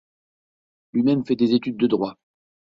Lui-même fait des études de droit.